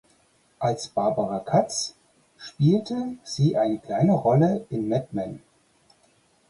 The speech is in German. Als "Barbara Katz" spielte sie eine kleine Rolle in "Mad Men".